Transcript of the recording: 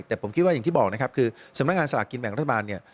แต่ผมคิดว่าอย่างที่บอกนะครับคือสำนักงานสลากกินแบ่งรัฐบาลเนี่ย